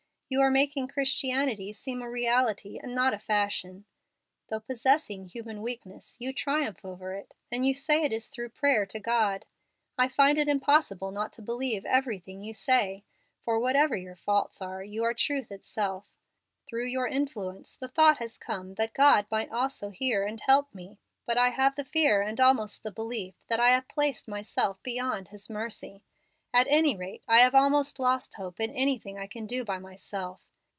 You are making Christianity seem a reality and not a fashion. Though possessing human weakness, you triumph over it, and you say it is through prayer to God. I find it impossible not to believe everything you say, for whatever your faults are you are truth itself. Through your influence the thought has come that God might also hear and help me, but I have the fear and almost the belief that I have placed myself beyond His mercy. At any rate I have almost lost hope in anything I can do by myself.